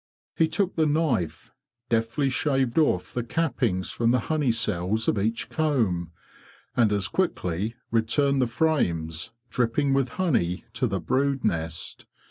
'' He took the knife, deftly shaved off the cap pings from the honey cells of each comb, and as quickly returned the frames, dripping with honey, to the brood nest.